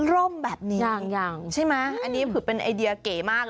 ร่มแบบนี้ยังยังใช่ไหมอันนี้คือเป็นไอเดียเก๋มากเลย